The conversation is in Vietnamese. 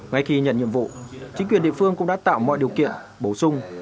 ngay khi nhận nhiệm vụ chính quyền địa phương cũng đã tạo mọi điều kiện bổ sung